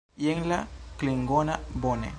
Jen la klingona, bone!